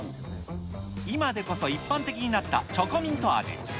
今でこそ一般的になったチョコミント味。